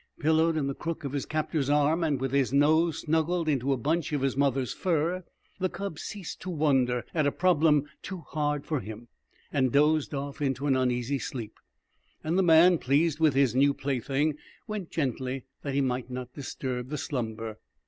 Pillowed in the crook of his captor's arm, and with his nose snuggled into a bunch of his mother's fur, the cub ceased to wonder at a problem too hard for him, and dozed off into an uneasy sleep. And the man, pleased with his new plaything, went gently that he might not disturb the slumber.